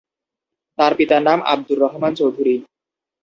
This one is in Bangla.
তার পিতার নাম আব্দুর রহমান চৌধুরী।